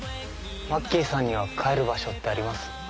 マッキーさんには帰る場所ってあります？